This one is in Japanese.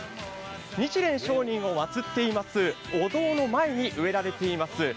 日蓮聖人をまつっていますお堂の前に植えられています